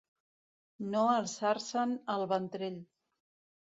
No alçar-se'n el ventrell.